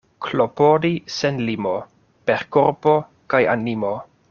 Klopodi sen limo per korpo kaj animo.